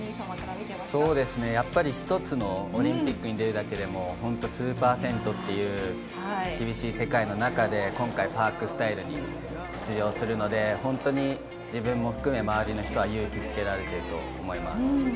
一つのオリンピックに出るだけでも数％という厳しい世界の中で、今回パークスタイルに出場するので、自分も含め、周りの人は勇気づけられていると思います。